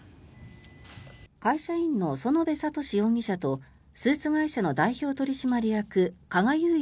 会社員の園部聡容疑者とスーツ会社の代表取締役加賀裕也